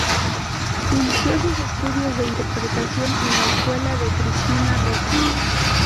Inició sus estudios de interpretación en la escuela de Cristina Rota.